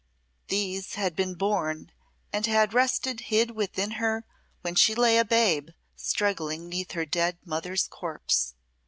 These had been born and had rested hid within her when she lay a babe struggling 'neath her dead mother's corpse.